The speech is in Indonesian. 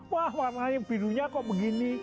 wah warnanya birunya kok begini